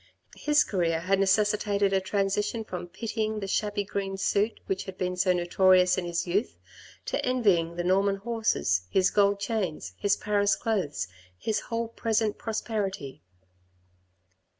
His career had necessitated a transition from pitying the shabby green suit which had been so notorious in his youth, to envying the Norman horses, his gold chains, his Paris clothes, his whole present prosperity.